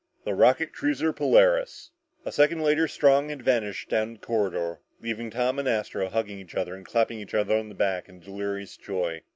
The rocket cruiser Polaris!" A second later, Strong had vanished down the corridor, leaving Tom and Astro hugging each other and clapping each other on the back in delirious joy.